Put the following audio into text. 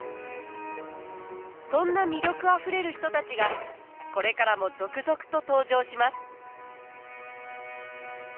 そんな魅力あふれる人たちがこれからも続々と登場します。